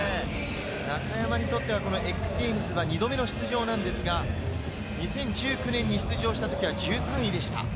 中山にとってはＸＧａｍｅｓは２度目の出場ですが、２０１９年に出場した時は１３位でした。